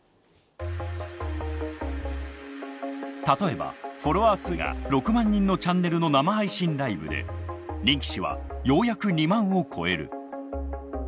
例えばフォロワー数が６万人のチャンネルの生配信ライブで人気値はようやく２万を超える。